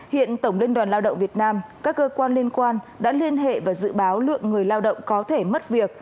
hiện tổng liên đoàn lao động việt nam các cơ quan liên quan đã liên hệ và dự báo lượng người lao động có thể mất việc